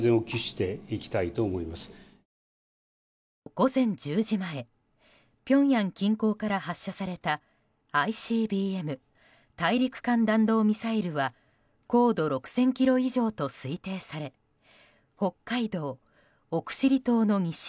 午前１０時前ピョンヤン近郊から発射されたＩＣＢＭ・大陸間弾道ミサイルは高度６０００ｋｍ以上と推定され北海道奥尻島の西